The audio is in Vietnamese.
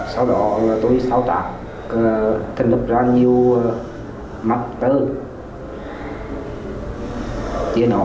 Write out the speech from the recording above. sau đó là tôi sao trả tôi lập ra nhiều mạc tơ